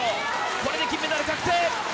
これで金メダル確定！